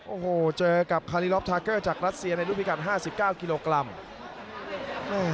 โอ้โหเจอกับคารีลอฟทาเกอร์จากรัสเซียในรูปพิการ๕๙กิโลกรัม